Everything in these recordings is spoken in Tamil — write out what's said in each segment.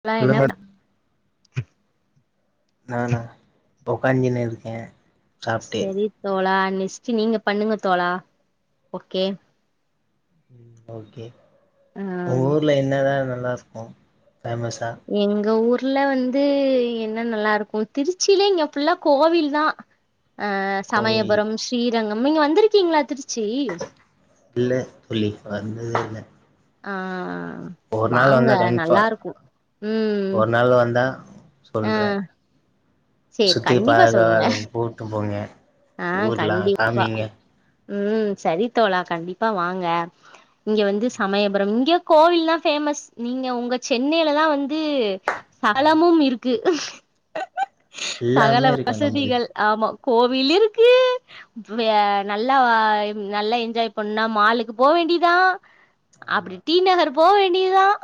அதல்லாம் என்ன சொல்லுங்க [unintelligible] நானா ஒக்காஞ்சின் இருக்கேன் செரி தோழா நெஸ்ட்டு நீங்க பண்ணுங்க தோழா ஓகே உம் ஓகே ஆ உங்க ஊர்ல என்ன தான் நல்லா இருக்கு எங்க ஊர் ல வந்து என்ன நல்லா இருக்கும் திருச்சில இங்க ஃபுல்லா கோவில் தான் ஆஹ் கோவில் சமயபுரம் ஸ்ரீரங் அம் நீங்க வந்திருக்கீங்களா திருச் இல்ல தோழி வ வந்ததில்ல ஆஹ் ஒரு நாள் வந்தா கன்டிப்பா ம் ஒரு நாள் வந்தா ஆ சொல்றேன் சேரி சுத்தி கண்டிப்பா பாக்க சொல்லுங்க வர போட்டும் போன ஊர்லாம் காமிங்க உம் சரித் தோழா கண்டிப்பா வாங்க இங்க வந்து சமயபுரம் இங்க கோவில்லாம் ஃபேமஸ் நீங்க உங்க சென்னையிலலா வந்து சகலமும் இருக்கு சகல எல்லாமே இருக்கு நம்மளுக்கு வசதிகள் ஆமா [unintelligible] வில்லிருக்கு நல்லா நல்லா என்ஜாய் பண்ணா மாலுக்கு போ வேண்டிதான் ஆமா அப்டி டி நகர் போக வேண்டியதான்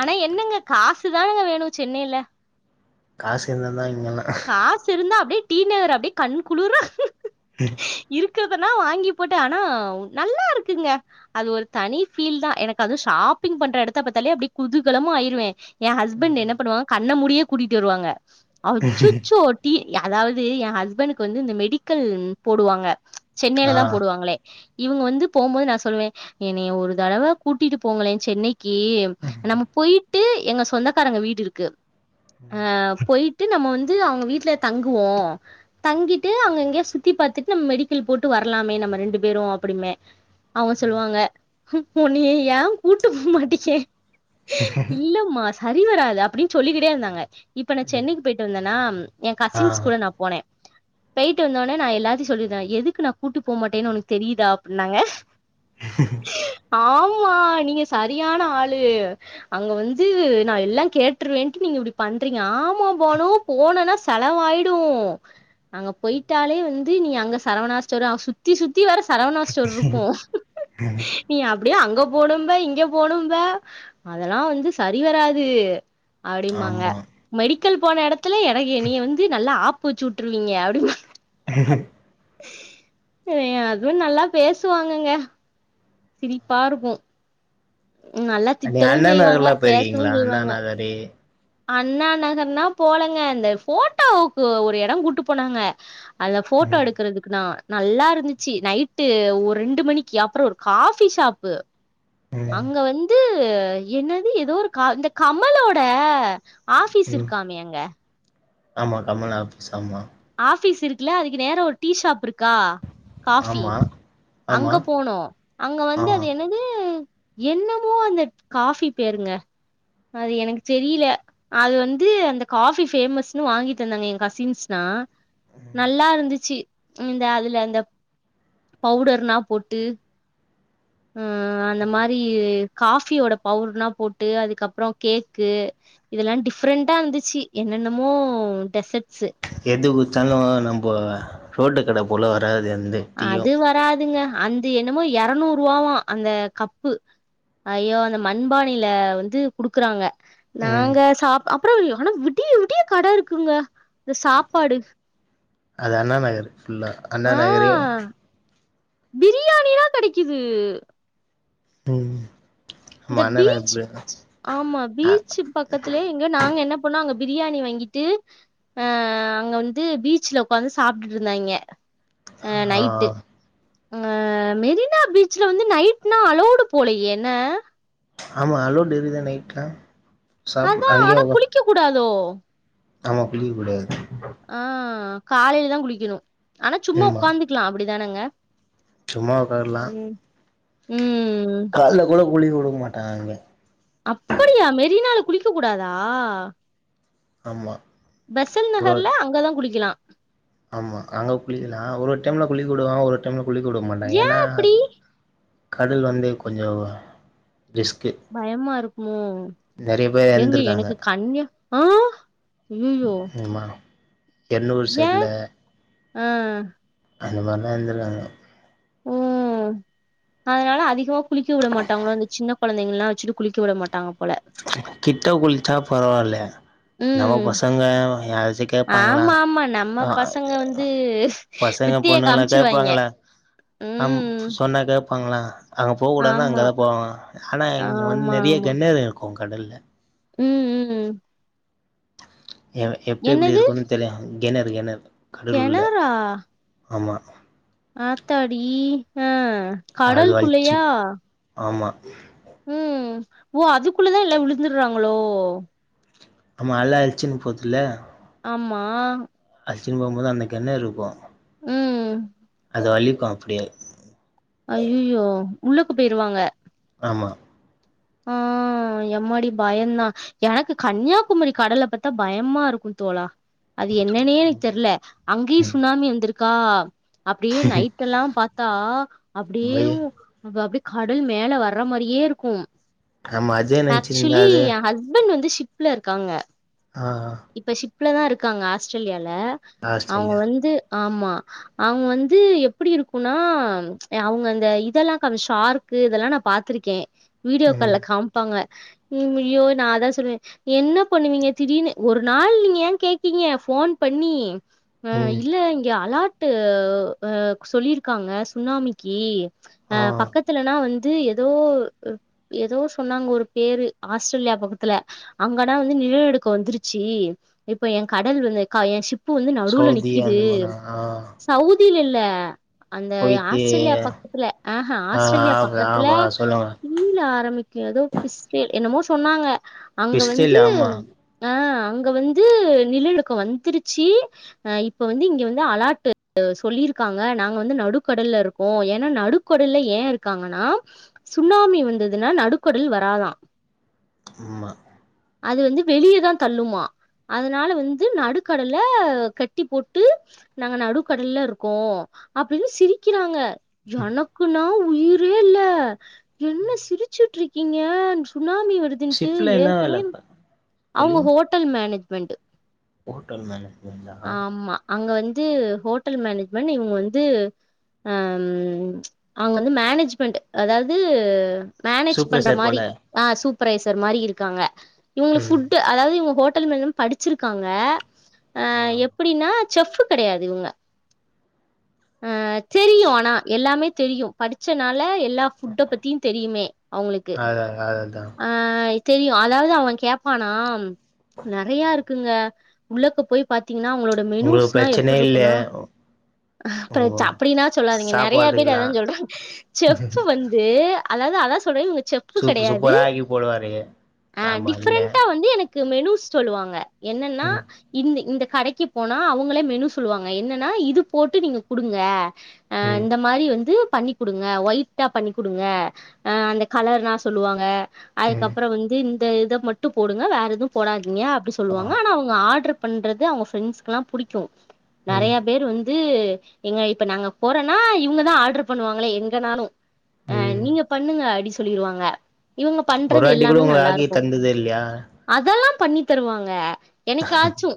ஆனா என்னங்க காசுதானங்க வேணும் சென்னையில காசு இருந்த தான் காசு இருந்தா அப்டியே டீநகர் அப்டியே கண் குளிர இருக்கதனா வாங்கி போட்டுன் ஆனா நல்லா இருக்குங்க அது ஒரு தனி ஃபீல் தான் எனக்கு அதுவும் ஷாப்பிங் பண்ற இடத்த பாரத்தாலே அப்படி குதுகலமும் ஆயிருவேன் என் ஹஸ்பண்ட் என்ன பண்ணுவாங்க கண்ண முடி கூட்டிட்டு வருவாங்க அச்சச்சோ டி அதாவது என் ஹஸ்பண்டக்கு வந்து இந்த மெடிக்கல் போடுவாங்க சென்னையில தான் ஆ போடுவாங்களே இவுங்க வந்து போகும்போது நான் சொல்லுவேன் என்னய ஒரு தடவ கூட்டிட்டு போங்களேன் சென்னைக்கு கி நம்ம போயி விட்டு எங்க சொந்தக்காரங்க வீடு இருக்கு ஆஹ் போயிட்டு வந்துட்டு நம்ம வந்து அவுங்க வீட்டுல தங்குவோம் தங்கிட்டு அங்க இங்கயே சுத்தி பாரத்துட்டு நம்ம மெடிக்கல் போட்டு வரலாமே நம்ம ரெண்டு பேரும் அப்படிமே அவங்க சொல்லுவாங்க உனைய ஏன் கூட்டு போக மாட்டங்கேன் இல்லமா சரி வராது அப்டின்னு சொல்லிக்கிட்டே இருந்தாங்க இப்ப நான் சென்னைக்கு போயிட்டு வந்தன் நா என் கசின்ஸ் ஆ கூட நான் போனேன் பேயிட்டு வந்தடனே நான் எல்லாத்தையும் சொல்லிருந்தேன் எதுக்கு நான் கூட்டிட்டு போமாட்டேன்னு உனக்கு தெரியுதா அப்படின்னாங்க ஆமா ஆமா நீங்க சரியான ஆளு அங்க வந்து நான் எல்லாம் கேட்டுருவேன்ட்டு நீங்க இப்படி பண்றீங்க ஆமா பானு போனனா செலவாயிடும் அங்க போயிட்டாலே வந்து நீ அங்க சரவணாஸ்டரும் சுத்தி சுத்தி வேற சரவணா ஸ்டோர் இருக்கும் நீ அப்டியே அங்க போணும்ப இங்க போணும்ப அதெல்லாம் வந்து சரிவராது அப்டிமாங்க ஆமா மரி போன இடத்தை இலாம் இடைய நீ வந்து நல்லா ஆப்பு வச்சு விட்டுருவீங்க அப்படி அதுவு நல்லா பேசுவாங்கங்க சிரி பாருக்கு நீ அண்ணா நகர் எல்லா பேசவு போயிருக்கீங்களா அண்ணா செய்வாங்க நகரே அண்ணா நகர்னா போலங்க அந்த போட்டோவுக்கு ஒரு இடோ கூட்டு போனாங்க அதுல போட்டோ ம் எடுக்குறதுக்குனா நல்லா இருந்துச்சி நைட்டு ஒரு ரெண்டு மணிக்கு அப்புறோ ஒரு காபி ஷாப்பு ம் அங்க வந்து து என்னது ஏதோ ஒரு கா இந்த கம்மலோட ஆபிஸ் ம் இருக்காமே அங்க ஆமா கமலா ஆபீஸ் ஆமா ஆபிஸ் இருக்குல்ல அதுக்கு நேரா ஒரு டீ ஷாப் இருக்கு கா காபி ஆமா ஆமா அங்க போனோ அங்க வந்து ஆமா அது என்னது என்னமோ அந்த காபி பேருங்க அது எனக்கு தெரியில அது வந்து அந்த காபி பேமஸ்ன்னு வாங்கி தந்தாங்க என் கசின்ஸ்னா நல்லா இருந்துச்சு இந்த அதுல இந்த பவுடர்னா போட்டு அ அந்த மாரி காபியோட பவுர்னா போட்டு அதுக்கப்புறோ கேக்கு இதெல்லா டிஃப்ரெண்டா இருந்துச்சி என்னென்னமோ டெசர்ட்ஸு எது குச்சாலு நம்ப ரோட்டு கட போல வராது எ அது வராதுங்க அந்தே என்னமோ எரநூற்வாவ அந்த கப்பு ஐயோ அந்த மண்பானியில வந்து குடுக்குறாங்க ம் நாங்க சாப் அப்புற ஆனா விடிய விடிய கட இருக்குங்க இந்த சாப்பாடு அது அண்ணா நகர் ஃபுல்லா அண்ணா நகரே பிரியாணிலா கெடைக்குது ம் ஆமா இந்த அண்ணா நகர் பீச் போய் ஆமா ஆ பீச் பக்கத்திலயே இங்க நாங்க என்ன போனா அங்க பிரியாணி வாங்கிட்டு அ அங்க வந்து பீச்சல உக்காந்து சாப்ட்டுட்டு இருந்தாய்ங்கே அ ஆ நைட்டு அ மெரினா பீச்ல வந்து நைட்னா அலோடு போலயே என்ன ஆமா அலோடு இருக்கு தான நைட்லா சாப்பு அதா அங்கயே ஆனா உக்கா குளிக்க கூடாதோ [inaudible] ஆமா குளிக்க கூடாது ஆ காலையிலதா குளிக்கணு ஆனா சும்மா ஆமா ஒக்காந்துக்கலா அப்டின் தானங்க சும்மா உக்காறலா உம் கால்ல கூட கூலி குடுக்க மாட்டாங்க அங்க அப்படியா மெரினால குளிக்க கூடாதா ஆமா பெசன் ஒரு நகர்ல அங்கதா குளிக்கலா ஆமா அங்க குளிக்கலா ஒரு ஒரு டைம்ல குளிக்கவுடுவாங்க ஒரு ஒரு டைம்ல குளிக்கவுடமாட்டாங்க ஏன் ஏனா அப்டி? அது கடல் வந்து கொஞ்சோ பயமா இருக் குமோ நெறய பேர் இறந்துருக்காங்க ஆ அய்யயோ எண்ணூர் சைட்ல ஆ அந்தமாரிலா இருந்துருக்காங்க ம் அதனால அதிகமா குளிக்க விட மாட்டாங்களோ அந்த சின்ன கொழந்தைங்கல்லா வச்சிட்டு குளிக்க விட மாட்டாங்க போல கிட்ட குளிச்சா பரவால்ல நம்ம ம் பசங்க யாராச்சு கேப்பாங்களா ஆமா ஆமா நம்ம ஆ பசங்க வந்து பசங்க வித்திய பொண்ணுங்களா காமிச்சிருவாய்ங்க கேப்பாங்களா ஆம் ம் சொன்னா கேப் பாங்ளா அங்க போக்கூடாதுன்னா அங்க ஆமா தா போவாங்க ஆனா இங்க வந்து ஆமா நெறய ஆமா கெண்ணேறு இருக் குங் கடல்ல ம் ம் எ எப்டி எப்டி இருக்குனு தெரியாது கெணறு கெணறு கடல் உள்ள கெணரா ஆமா ஆத்தாடி ஆ அது கடல் வலிச்சு குள்ளயா ஆமா ம் ஓ அதுக்குள்ளதா எல்லா விழுந்துறாங்களோ ஆமா அல அடிச்சின்னு போதுல ஆமா அடிச்சின்னு போம்போது அந்தக்கெணருக்கு ம் அது வலிக்கு அப்டியே அய்யயோ உள்ளுக்க போயிருவாங்க ஆமா ஆஹ் எம்மாடி பயன்ந்தா எனக்கு கன்யாகுமரி கடலப்பாத்தா பயமா இருக்கும் தோழா அது என்னன்னே எனக்கு தெர்ல அங்கயும் சுனாமி வந்திருக் கா அப்டியே நைட் எல்லாம் பாத்தா பய அப்டியேவு அப்டி கடல் மேல வர்ற மாறியே இருக்கும் ஆமா அதே நெனச்சிருந்தா ஆக்சுவலி அது எ ஹஸ்பண்ட் வந்து சி சிப்ல இருக்காங்க ஆஹ் ஆஹ் ப்பலா தா இருக்காங்க ஆஸ்டிரேலியால ல அவுங்க ஆஸ்திரேலியா வந்து ஆமா அவுங்க வந்து எப்டி இருக்குனா அவுங்க இந்த இதெல்லாம் ஷார்க் இதெல்லாம் நா பாத்திருக்கே கப்பல்ல ம் காம்ப்பாங்க உம் ஐயோ நான் அதான் சொல்லுவேன் என்ன பண்ணுவீங்க திடீர்னு ஒரு நாள் நீங்க ஏன் கேக்கீங்க போன் பண்ணி ஆஹ் ம் இல்ல இங்க அலாட் ட்டு ஆ சொல்லியிருக்காங்க சுனாமிக்கு ஆ ஆஹ் பக்கத்துலனா வந் இது எதோ ஏதோ சொன்னாங்க ஒரு பேரு ஆஸ்டிரேலியா பக்கத்துல அங்கதா வந்து நிலநடுக்கோ வந்துருச்சீ இப்ப என் கடல் வந்து க என் சிப் ப்பு வந்து நடுவுல சவுதி நிக்கிது அந்த மாரி ஆ சவுதில இல் ல்ல அந்த குவைத்து ஆஸ்ட்ரேலியா பக்கத்துல ஆஹ்ஹ ஆ ஆஸ்ட்ரேலியா ஆமா பக்கத்துல ஆமா சொல்லுங்க கீழ எதோ பிஸ்ரேல் என்னமோ சொன்னாங்க அங்க பிஸ்டில் வந்து ஆமா ஆஹ் அங்க வந்து நிலநடுக்கம் வந்துருச்சீ அஹ் இப்ப வந்து இங்க வந்து அலாட்டு சொல்லிருக்காங்க நாங்க வந்து நடுக்கடல்ல இருக்கோ ஏன்னா நடுக்கடல்ல ஏன் இருக்காங்கன்னா சுனாமி வந்தது ஏனா நடுக்கடல் வராதா ஆமா அது வந்து வெளியதா தள்ளுமா அதுனால வந்து நடுக்கடல்ல கட்டி போட்டு நாங்க நடுக்கடல்ல இருக்கோ அப்டின்னு சிரிக்கிறாங்க எனக்குனா உயிரே இல்ல என்ன சிரிச்சுட்டு இருக்கீங்கன் சுனாமி வருதுன்ட்டு ஏற் [unintelligible] அவுங்க ஹோட்டல் மேனேஜ்மெண்ட் ஓட்டல் மேனேஜ்மெண்ட் தா ஆமா அங்க வந்து ஹோட்டல் மேனேஜ்மெண்ட் இவங்க வந்து அவங்க வந்து மேனேஜ்மெண்ட் அதாவது மேனேஜ் பண்ற சூப்பர்வைசர் போல மாரி ஆஹ் பிரேசர் மாரி இருக்காங்க ம் ஃபுட்டு் அதாவதுங்கஹட்டல் [unintelligible] படிச்சிருக்காங்க ஆ அஹ் எப்படின்னா செப்பு கிடையாது இவங்க ஆஹ் தெரியு ஆனா எல்லாமே தெரியும் படிச்ச நான் எல்லா புட் பத்தியும் தெரியுமே அவங்களுக்குஹ அத அததா தெரியும் அதாவது அவன் கே ப்பானா நிறையா இருக்குங்க உள்ளக்க போய் பா்த்த ீன்னா உங்களோட உங்களுக்கு மெனுஸ்னா எப்படி பிரச்சனையே இல்ல இருக்கும் அ உங்க அப்படின்னா சொல்லாதீங்க நிறைய சாப்பாட்டுக்கெல்லா பேர் சொல்றாங்க செப்ப வந்து [unintelligible] சூ கெடையாது சூப்பரா ஆகி போடுவாரு ஆ ஆமா என்ன டிஃப்ரெண்டா வந்து எனக்கு மெனுஸ் சொல்லுவாங்க என்னன்னா ம் இந்த இந்த கடைக்கு போனா அவங்கள மெனு சொல்லுவாங்க என்னன்னா இது போட்டு நீங்க கொடுங்க அஹ் ம் இந்த மாதிரி வந்து பண்ணி கொடுங்க ஒயிட்டாக பண்ணி கொடுங்க அந்த கலர்னா சொல்லுவாங்க ம் அதுக்கப்புறம் வந்து [unintelligible] போடுங்க வேற எதுவும் போடாது ங்க அப்படி ஆ சொல்லுவாங்கனா அவங்க ஆர்டருக்கு பண்றது அவங்க ஃரெண்ட்ஸ்க்கெல்லாம் புிடிக்கும் ம் நிறைய பேர் வந்து எங்க இப்ப நாங்க போறோன்னா இவங்கதான் ஆர்டர் பண்ணுவாங்களே எங்கனாலும் அஹ் ம் நீங்க பண்ணுங்க அடிச சொல்லிருவாங்க இவங்க ஒருவாட்டி கூட உங்க ஆகி தந்தது இல்லையா அதெல்லாம் பண்ணி தருவாங்க என்னைக்காச்சு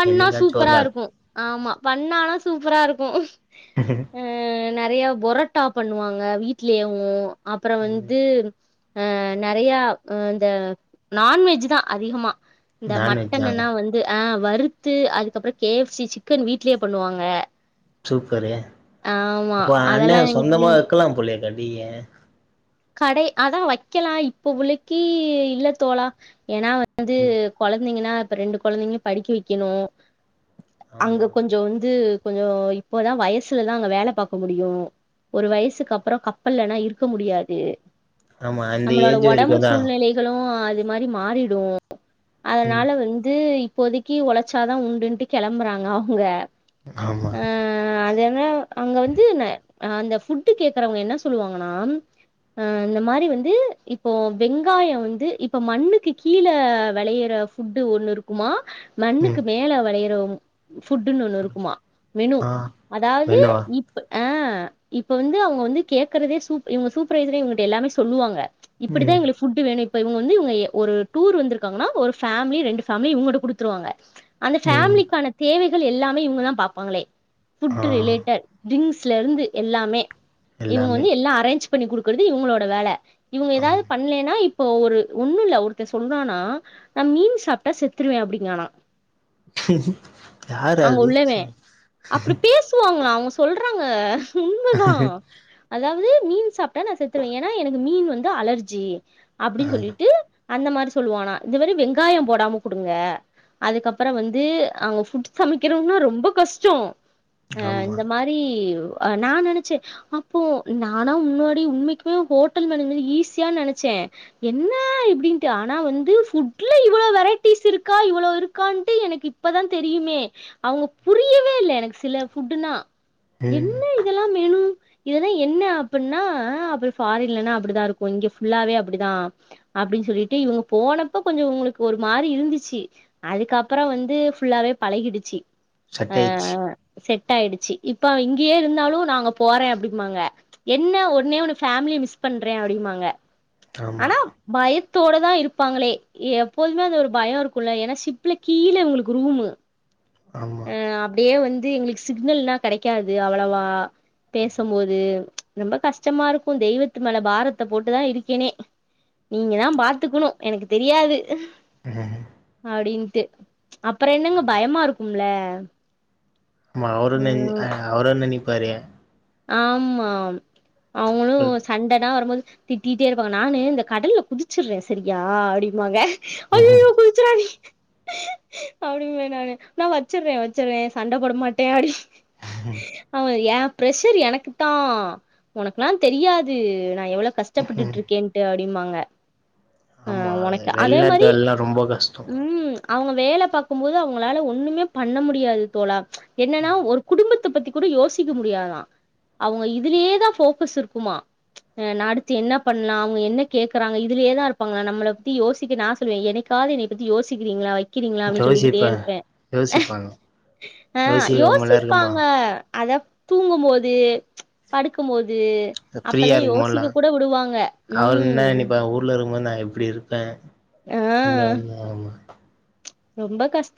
பண்ணா என்னைக்காச்சு ஒரு சூப்பரா நாள் இருக்கு ஆமா பண்ணாலு சூப்பரா இருக்கு நறைய பொரட்டா பண்ணுவாங்க வீட்லேவு அப்பற ம் வந்து அ நறையா அந்த நான்வெஜ்தா அதிகமா இந்த நான்வெஜ்ஜா மட்டனனா வந்து அ வறுத்து அதுக்கப்பற கே எஃப் சி சிக்கன் வீட்லயே பண்ணுவாங்க சூப்பரு ஆமா அப்போ அண்ண அதெல்லா எங்க சொந்தமா பிள்ளைங்க வெக்கலா போலியே க டிய கடை அதா வக்கலா இப்ப உள்ளைக்கு இல்ல தோழா ஏனா வந்து ம் கொழ ந்தைங்கனா இப்ப ரெண்டு கொழந்தைங்களயு படிக்க வெக்கணு ஆமா அங்க கொஞ்ச வந்து கொஞ்சோ இப்போதா வயசுலதா அங்க வேல பாக்க முடியு ஒரு வயசுக்கு அப்பற கப்பல்லலா இருக்க முடியா து ஆமா அந்த நம்மளோட ஏஜ் ஒடம்பு வரைக்குந்தா சூழ்நிலைகளு அது மாரி மாறிடு ம் அதனால வந்து இப்போதக்கி ஒழைச்சாதா உண்டுட்டு கெளம்புறாங்க அவங்க ஆமா அதனா ஆ அங்க வந்து அந்த ஃபுட்டு் கேக்கறவங்க என்ன சொல்லுவாங்கன்னா ஆ இந்த மாரி வந்து இப்போ வெங்காயம் வந்து இப்ப மண்ணுக்கு கீழே வெளையுற ஃபுட்டு ஒண்ணு இருக்குமா ம் மண்ணுக்கு மேல வளையறோம் ஃபுட்டுன்னு ஒண்ணு இருக்குமா மெனு ஆ அதாவது என்னவா இப்ப ஆ இப்ப வந்து அவுங்க வந்து கேக்குறதே சூப் இவுங்க சூப் சூப்ரைசரே இவுங்கிட்ட எல்லாமே சொல்லுவாங்க இப்பிடிதான் ம் எங்களுக்கு ஃபுட்டு வேணும் இப்ப இவுங்க வந்து ஒ ஒரு டூர் வந்துருக்காங்கன்னா ஒரு ஃபேமிலி ரெண்டு பேமிலி இவங்கிட்ட குடுத்துருவாங்க அந்த ம் ஃபேமிலிக்கான தேவை எல்லாமே இவுங்கதான் பாப்பாங்களே ஆ ஃபுட்டு ரிலேட்டட் ட்ரிங்ஸ் ட்ல இருந்து எல்லாமே இவங்க எல்லாமே வந்து எல்லா அரேஞ்ச் பண்ணி குடுக்குறது இவங்களோட வேல இவங்க ஏதாவது பண்லன்னா இப் இப்போ ஒரு ஒண்ணு இல்ல ஒருத்தெ சொல்றானா நா மீன் சாப்ட்டா செத்துருவே அப்படிங்கானா யாரது உள்ளவே ஆ உண்மதா அதாவது நீ நா செத்துருவே ஏனா எனக்கு மீன் வ து அலர்ஜி ஆ அப்டின்னு சொல்லிட்டு அந்த மாரி சொல்லுவானா இந்த மாரி வெங்காய போடாம கொடுங்க அதுக்கப்புற வந்து அவங்க ஃபுட் சமைக்கிறுனா ரொம்ப கஷ்டோ அ ஆமா இந்த மாரி நா நெனச்சே அப்போ நானா முன்னாடி உண்மைக்குமே ஹோட்டல் வேலங்ற ஈஸியான் நெனச்சே என்ன இப்டின்னுட்டு ஆனா வந்து ஃபுட்ல இவ்வளோ வெரைட்டிஸ் இருக்கா இவ்வளோ இருக்கான்ட்டு எனக்கு இப்பதா தெரியுமே அவங்க புரியவே இல்ல எனக் சில ஃபுட்னா ம் என்ன இதெல்லா மெனு இததா என்ன அப்டின்னா அப்டி ஃபாரின்லனா அப்டிதா இருக்கு இங்க ஃபுல்லாவே அப்டிதா அப்டின்னு சொல்லிட்டு இவங்க போனப்ப கொஞ்சம் உங்களுக்கு ஒரு மாரி இருந்துச்சு அதுக்கப்புறோ வந்து ஃபுல்லாவே பழகிடுச்சு ஆ செட்டாயிச்சு செட் ஆயிடுச்சு இப்ப இங்கயே இருந்தாலு நாங்க போறே அப்டிமாங்க என்ன ஒன்னே ஒன்னு ஃபேமிலிய மிஸ் பண்றே அப்டிமாங்க ஆமா ஆனா பய த்தோட தா இருப்பாங்களே எப்போதுமே அது ஒரு பயோ இருக்குல ஏன்னா சிப்ல கீழ உங்களுக்கு ரூமு ஆமா அ அப்டியே வந் இது எங்களுக்கு சிக்னல்னா கெடைக்காது அவ்வளவா பேசும்போது ரொம்ப கஷ்டமா இருக்கு தெய்வத்து மேல பாரத்த போட்டுதா இருக்கேனே நீங்க தா பாத்துக்கணு எனக்கு தெரியாது அஹ் டு அப்புறோ என்னங்க பயமா இருக்கும்ல அ ஆமா அவரு நி அ அவரு நினைப்பாரு ஆமாம் அவங்களு சண்ட தா வரும்போது திட்டிட்டே இருப்பாங்க நானு இந்த கடல்ல குதிச்சுடுறே சரியா அப்டிமாங்க ம் அய்யயோ குதிச்சிராதிங் அப்டிவே நானு நா வச்சுறே வச்சுறே சண்டப் போட மாட்டே அடி ஆமா ஏ பிரஸர் எனக்குத்தா உனக்லா தெரியாது நா எவ்ளோ கஸ்டப்பட்டுட்ருக்கேன்டு அப்டி டின்பாங்க ஆமா எ வெள்நாட்டுவேல்லா ரொம்போ கஷ்டோ அவுங்க வேல பாக்கும் போது அவுங்ளால ஒன்னுமே பண்ண முடியாது தோழா என்னென்னா ஒரு குடும்ப துப் பத்தி கூட யோசிக்க முடியாத அவுங்க இதுலயேதா ஃபோக்கஸ் இருக்குமா ச்ச உ நா அடுத்து என்ன பண்லா அவுங்க என்ன கேக்குறாங்க இதுலயேதா இருப்பாங்ளா நம்மள பத்தி யோசிக்க நா சொல்வே எனிக்காது என்னைய பத்தி யோசிக்கிறீங்ளா வ க்கிறீங்களா அப்டின்னு சொல்லிக்கிட்டே யோசிப்பே இருப்பே யோசிப்பாங்க ஆ யோசிக்காமலா இருக்குமா யோசிப்பாங்க அதா தூங்கம்மோது ச்ச படுக்கம்மோது ச்ச த ஃப்ரீயா இருக்கமோல்லா விடுவாங்க அவரு என்ன ம் நெனைப்பார் ஊர்ல இருக்கும்போது நா எப்டி இருப்பே ஆ இங்க வந்து ஆமா ஆ ரொம்ப கஷ்டோ